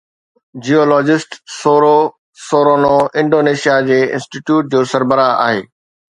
geologist سورو Surono Indonesia جي institute جو سربراهه آهي